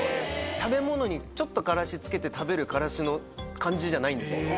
食べ物にちょっとカラシつけて食べるカラシの感じじゃないんですよ。